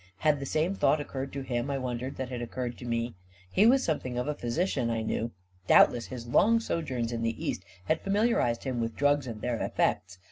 Had the same thought occurred to him, I wondered, that had occurred to me ? He was something of a physi cian, I knew; doubtless his long sojourns in the East had familiarized him with drugs and their effects.